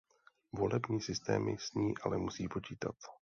Volební systémy s ní ale musí počítat.